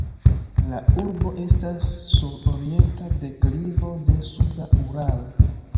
La urbo estas sur orienta deklivo de suda Uralo.